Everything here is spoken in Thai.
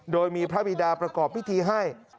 โดยมีพระบิดาประกอบพิธีให้